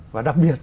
và đặc biệt